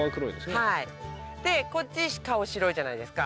はいでこっち顔白いじゃないですか